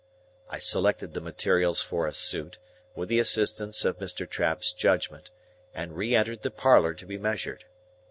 I selected the materials for a suit, with the assistance of Mr. Trabb's judgment, and re entered the parlour to be measured.